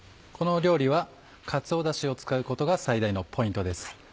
このお料理はかつおダシを使うことが最大のポイントです。